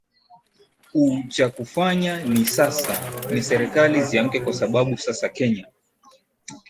u cha kufanya ni sasa ni serikali ziamke kwa sababu sasa kenya